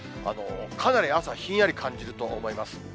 かなり朝ひんやり感じると思います。